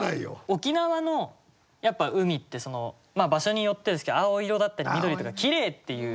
沖縄の海って場所によってですけど青色だったり緑とかきれいっていう。